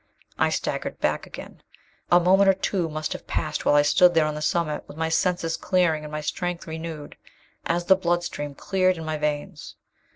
I staggered back again. A moment or two must have passed while I stood there on the summit, with my senses clearing and my strength renewed as the blood stream cleared in my veins.